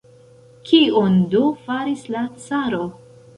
Kion do faris la caro?